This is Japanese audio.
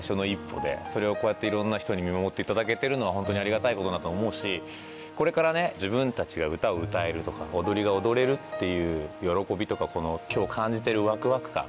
それをこうやっていろんな人に見守っていただけてるのはホントにありがたいことだと思うしこれからね自分たちが歌を歌えるとか踊りが踊れるっていう喜びとかこの今日感じてるワクワク感